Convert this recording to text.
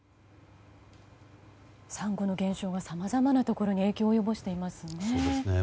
サンゴの減少がさまざまなところに影響を及ぼしていますね。